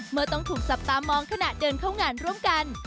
เมื่อต้องถูกจับตามองขณะเดินเข้างานร่วมกัน